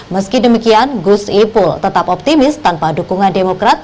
meski demikian gus ipul tetap optimis tanpa dukungan demokrat